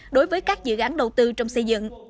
đối với các dự án đầu tư trong xây dựng